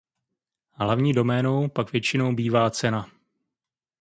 Hlavní doménou pak většinou bývá cena.